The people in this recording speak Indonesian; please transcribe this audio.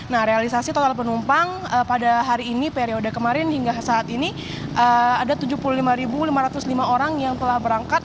nah realisasi total penumpang pada hari ini periode kemarin hingga saat ini ada tujuh puluh lima lima ratus lima orang yang telah berangkat